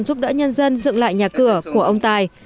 giúp đỡ nhân dân dựng lại nhà cửa của ông tài